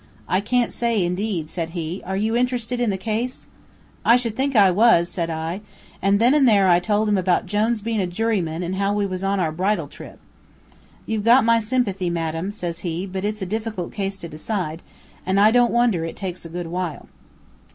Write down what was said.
"'I can't say, indeed,' said he. 'Are you interested in the case?' "'I should think I was,' said I, an' then I told him about Jone's bein' a juryman, an' how we was on our bridal trip. "'You've got my sympathy, madam,' says he, 'but it's a difficult case to decide, an' I don't wonder it takes a good while.'